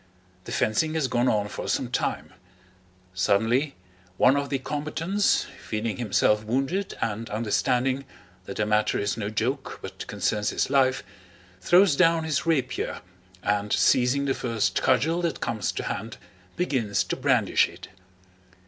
The fencing has gone on for some time; suddenly one of the combatants, feeling himself wounded and understanding that the matter is no joke but concerns his life, throws down his rapier, and seizing the first cudgel that comes to hand begins to brandish it.